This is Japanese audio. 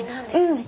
うん！